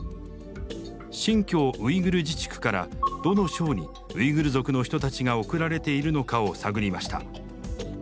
新疆ウイグル自治区からどの省にウイグル族の人たちが送られているのかを探りました。